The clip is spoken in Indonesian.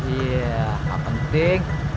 iya gak penting